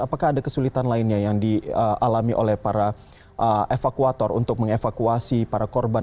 apakah ada kesulitan lainnya yang dialami oleh para evakuator untuk mengevakuasi para korban